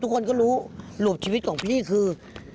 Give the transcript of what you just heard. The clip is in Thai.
ทุกคนก็รู้หลวงชีวิตของพี่คือ